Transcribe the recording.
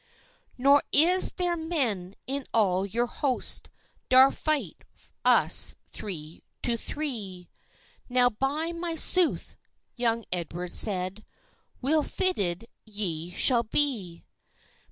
"Nor is there men in all your host Daur fight us three to three." "Now, by my sooth," young Edward said, "Weel fitted ye shall be!